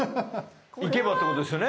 いけばってことですよね。